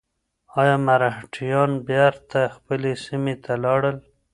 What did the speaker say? ایا مرهټیان بېرته خپلې سیمې ته لاړل؟